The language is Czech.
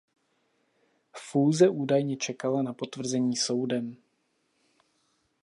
Fúze údajně čekala na potvrzení soudem.